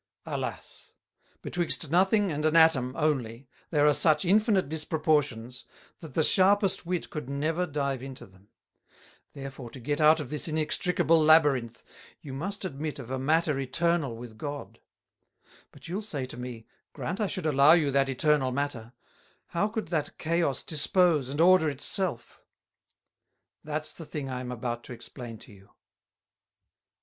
Alas! Betwixt Nothing and an Atome only, there are such infinite Disproportions, that the sharpest Wit could never dive into them; therefore to get out of this inextricable Labyrinth, you must admit of a Matter Eternal with God: But you'll say to me, grant I should allow you that Eternal Matter; how could that Chaos dispose and order it self? That's the thing I am about to explain to you.